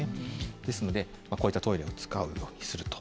ですので、こういったトイレを使うようにすると。